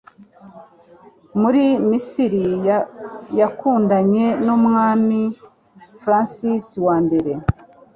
Muri misiri yakundanye n'Umwami Francis wa mbere